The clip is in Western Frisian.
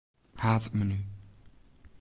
Haadmenu.